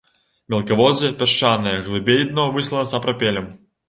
Мелкаводдзе пясчанае, глыбей дно выслана сапрапелем.